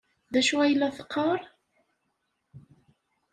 D acu ay la teqqar?